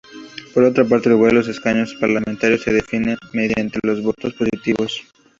Por otra parte, en Uruguay los escaños parlamentarios se definen mediante los votos positivos.